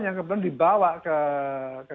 yang kebetulan dibawa ke